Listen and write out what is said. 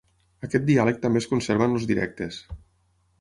Aquest diàleg també es conserva en els directes.